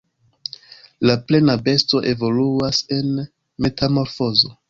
La plena besto evoluas en metamorfozo.